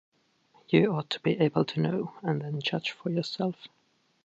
You ought to be able to know, and then judge for yourself.